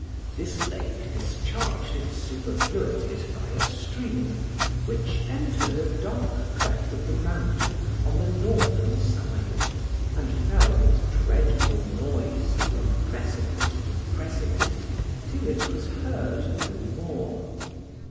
This lake discharged its superfluities by a stream, which entered a dark cleft of the mountain on the northern side, and fell with dreadful noise from precipice to precipice till it was heard no more.